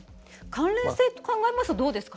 関連性と考えますとどうですか？